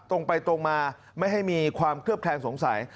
ตรงไปตรงมาไม่ให้มีความเคลือบแคลงสงสัย